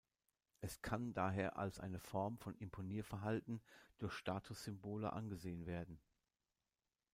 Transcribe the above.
Es kann daher als eine Form von Imponierverhalten durch Statussymbole angesehen werden.